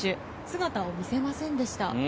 姿を見せませんでした。